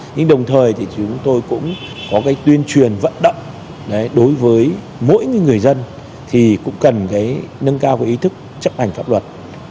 nhưng đồng thời thì chúng tôi cũng có cái tuyên truyền vận động đối với mỗi người dân thì cũng cần cái nâng cao cái ý thức chấp hành pháp luật